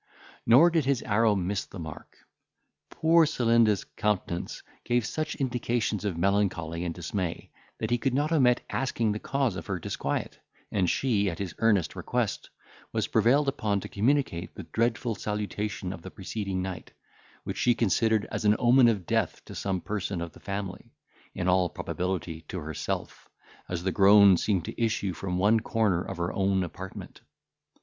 Nor did his arrow miss the mark. Poor Celinda's countenance gave such indications of melancholy and dismay, that he could not omit asking the cause of her disquiet, and she, at his earnest request, was prevailed upon to communicate the dreadful salutation of the preceding night, which she considered as an omen of death to some person of the family, in all probability to herself, as the groan seemed to issue from one corner of her own apartment.